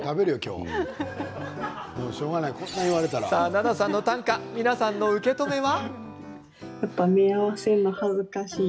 奈々さんの短歌皆さんの受け止めは。